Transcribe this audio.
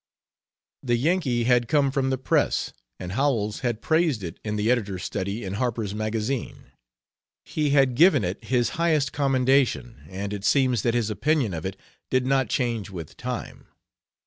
The Yankee had come from the press, and Howells had praised it in the "Editor's Study" in Harper's Magazine. He had given it his highest commendation, and it seems that his opinion of it did not change with time.